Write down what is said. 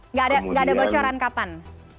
nggak ada bocoran kapan